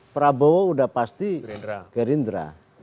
prabowo sudah pasti gerindra